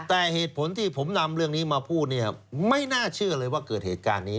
แต่เหตุผลที่ผมนำเรื่องนี้มาพูดเนี่ยไม่น่าเชื่อเลยว่าเกิดเหตุการณ์นี้